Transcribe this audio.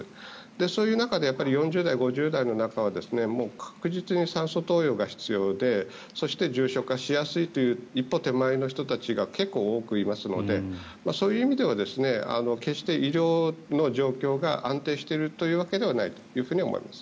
そういう中で４０代、５０代の中は確実に酸素投与が必要でそして重症化しやすいという一歩手前の人たちが結構多くいますのでそういう意味では決して医療の状況が安定しているというわけではないと思います。